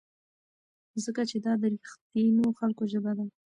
ځکه چې دا د رښتینو خلکو ژبه ده.